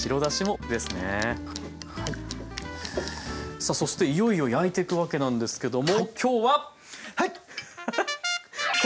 さあそしていよいよ焼いていくわけなんですけども今日は！はいっ！